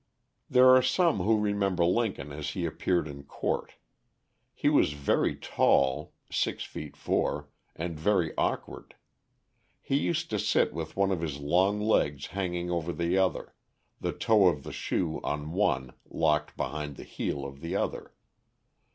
There are some who remember Lincoln as he appeared in court. He was very tall (six feet four), and very awkward. He used to sit with one of his long legs hanging over the other, the toe of the shoe on one locked behind the heel of the other.